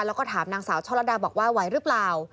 แล้วก็ถามนางสาวช่อลัดดาบอกว่าไหวหรือเปล่า